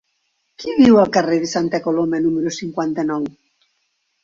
Qui viu al carrer de Santa Coloma número cinquanta-nou?